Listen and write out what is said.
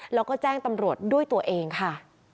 แล้วก็แจ้งตำรวจด้วยตัวเองค่ะ